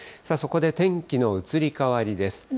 そこで天気の移り変わりです。